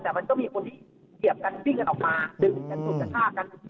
แต่มันก็มีคนที่เหยียบกันวิ่งกันออกมาดึงกันฉุดกระชากกัน